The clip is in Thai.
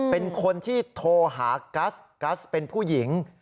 เป็นคนที่โทรหากัซเกิดที่กัซเป็นผู้หญิง